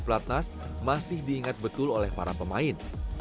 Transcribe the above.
pelatnas masih diingat betul oleh para pemain